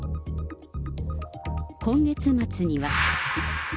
今月末には。